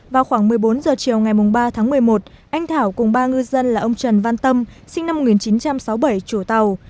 vào khoảng một mươi bốn h chiều ngày ba tháng một mươi một anh thảo cùng ba ngư dân là ông trần văn tâm sinh năm một nghìn chín trăm sáu mươi bảy chủ tàu